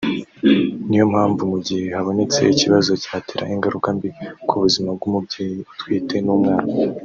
ni yo mpamvu mu gihe habonetse ikibazo cyatera ingaruka mbi ku buzima bw’umubyeyi utwite n’umwana